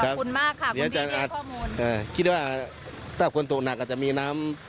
ขอบคุณมากค่ะขอนี้ในข้อมูลคิดว่าถ้าคนตกหนักก็จะมีน้ำ